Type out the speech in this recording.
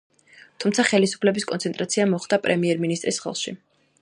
თუმცა ხელისუფლების კონცენტრაცია მოხდა პრემიერ-მინისტრის ხელში.